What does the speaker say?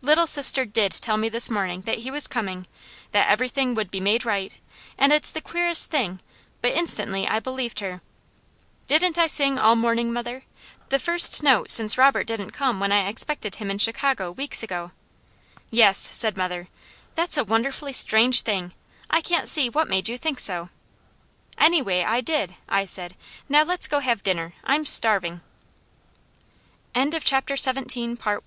"Little Sister DID tell me this morning that he was coming, that everything would be made right, and it's the queerest thing, but instantly I believed her. Didn't I sing all morning, mother? The first note since Robert didn't come when I expected him in Chicago, weeks ago." "Yes," said mother. "That's a wonderfully strange thing. I can't see what made you think so." "Anyway, I did!" I said. "Now let's go have dinner. I'm starving." I caught May's hand, and ran to get away from them.